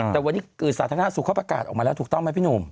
แต่วันนี้สาธารณสุขเขาประกาศออกมาแล้วถูกต้องไหมพี่หนุ่ม